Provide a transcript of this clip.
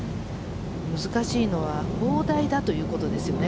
難しいのは砲台だということですよね